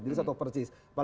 jadi satu persis